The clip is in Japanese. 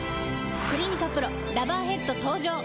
「クリニカＰＲＯラバーヘッド」登場！